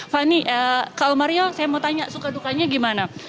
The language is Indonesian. fani kalau mario saya mau tanya suka dukanya gimana